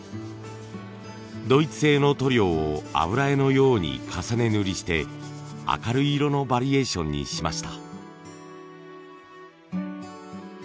ドイツ製の塗料を油絵のように重ね塗りして明るい色のバリエーションにしました。